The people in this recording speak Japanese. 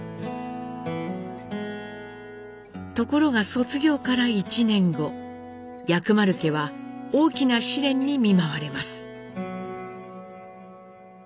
ところが卒業から１年後薬丸家は大きな試練に見舞われます。